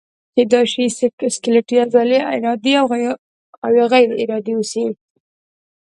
کیدای شي سکلیټي عضلې ارادي او یا غیر ارادي اوسي.